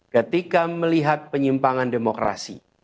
ketika melihat penyimpangan demokrasi